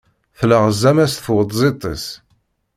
Telleɣẓam-as tweṭzit-is.